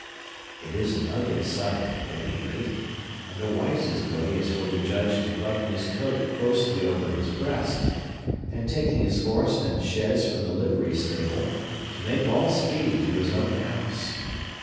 It is an ugly sight, at any rate; and the wisest way for the Judge is to button his coat closely over his breast, and, taking his horse and chaise from the livery stable, to make all speed to his own house.